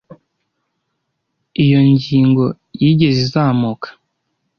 Iyo ngingo yigeze izamuka.